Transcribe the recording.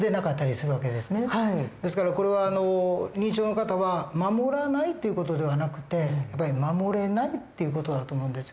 ですからこれは認知症の方は守らないという事ではなくて守れないっていう事だと思うんですよ。